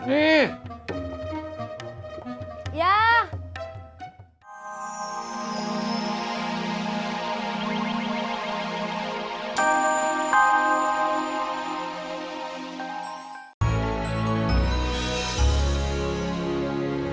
terima kasih stage